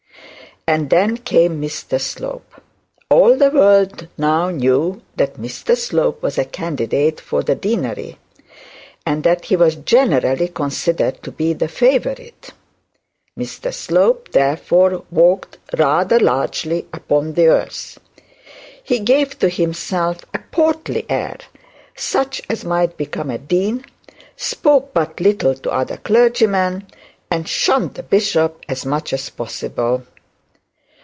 And then came Mr Slope. All the world now knew that Mr Slope was a candidate for the deanery, and that he was generally considered to be the favourite. Mr Slope, therefore, walked rather largely upon the earth. He gave to himself a portly air, such as might become a dean, spoke but little to other clergymen, and shunned the bishop as much as possible.